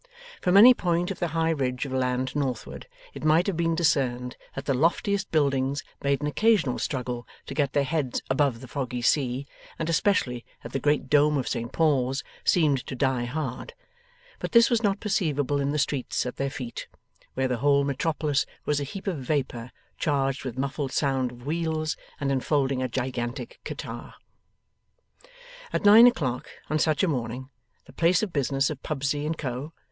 From any point of the high ridge of land northward, it might have been discerned that the loftiest buildings made an occasional struggle to get their heads above the foggy sea, and especially that the great dome of Saint Paul's seemed to die hard; but this was not perceivable in the streets at their feet, where the whole metropolis was a heap of vapour charged with muffled sound of wheels, and enfolding a gigantic catarrh. At nine o'clock on such a morning, the place of business of Pubsey and Co.